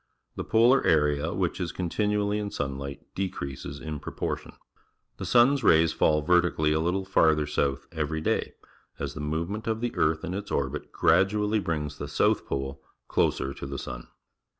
The polar area which is continuallj^ in sunlight decreases in proportion. The sun's rays fall verti cally a little farther south every day, as the movement of the earth in its orbit gradu ally brings the south pole closer to the sun.